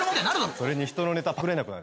それに人のネタパクれなくなる。